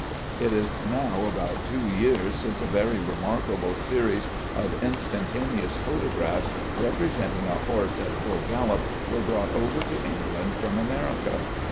It is now about two years since a very remarkable series of instantaneous photographs, representing a horse at full gallop, were brought over to England from America.